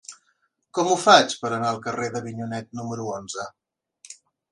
Com ho faig per anar al carrer d'Avinyonet número onze?